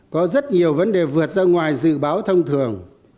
có rất nhiều vấn đề vượt ra ngoài dự báo thông thường